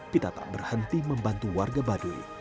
pita tak berhenti membantu warga badu